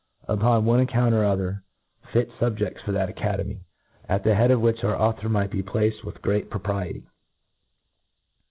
Upon one account or other, fit fubjefts for that academy, at the head of which our authot might be placed with^ great pro«; pricty.